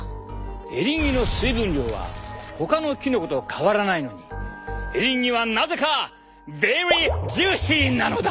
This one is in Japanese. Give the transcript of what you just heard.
エリンギの水分量はほかのキノコと変わらないのにエリンギはなぜかベリージューシーなのだ！